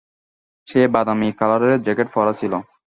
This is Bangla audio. সে বাদামী কালারের জ্যাকেট পরা ছিল।